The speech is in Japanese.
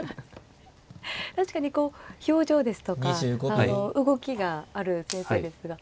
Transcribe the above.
確かにこう表情ですとか動きがある先生ですが。